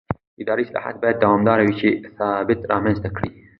اداري اصلاحات باید دوامداره وي چې ثبات رامنځته کړي